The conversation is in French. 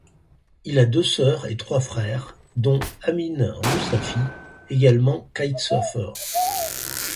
Il a deux sœurs et trois frères, dont Amine Roussafi, également kitesurfeur.